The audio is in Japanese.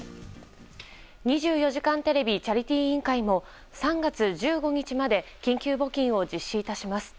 ２４時間テレビチャリティー委員会も３月１５日まで緊急募金を実施いたします。